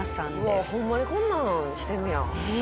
うわホンマにこんなんしてんねや。